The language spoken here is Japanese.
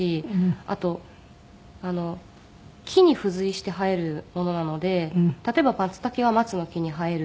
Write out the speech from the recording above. あと木に付随して生えるものなので例えば松茸は松の木に生えるとか。